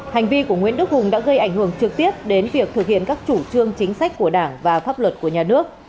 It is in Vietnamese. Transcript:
hành vi của nguyễn đức hùng đã gây ảnh hưởng trực tiếp đến việc thực hiện các chủ trương chính sách của đảng và pháp luật của nhà nước